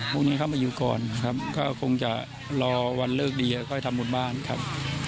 พรุ่งนี้เข้ามาอยู่ก่อนครับก็คงจะรอวันเลิกดีค่อยทำบุญบ้านครับ